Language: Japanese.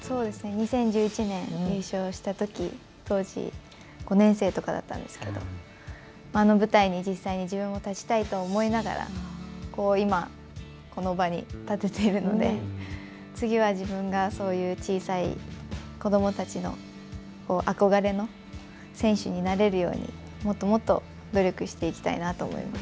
２０１１年に優勝したとき当時５年生とかだったんですけどあの舞台に実際に自分も立ちたいと思いながら今、この場に立てているので次は自分がそういう小さい子どもたちの憧れの選手になれるようにもっともっと努力していきたいなと思います。